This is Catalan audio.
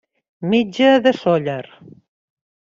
Metge de Sóller.